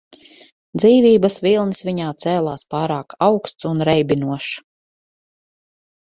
Dzīvības vilnis viņā cēlās pārāk augsts un reibinošs.